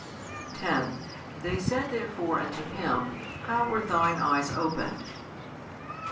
10 They said therefore unto him, How were thine eyes opened?